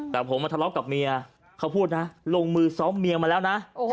แต่ผมมาทะเลาะกับเมียเขาพูดนะลงมือซ้อมเมียมาแล้วนะ